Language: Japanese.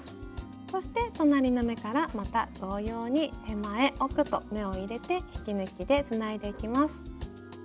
そして隣の目からまた同様に手前奥と目を入れて引き抜きでつないでいきます。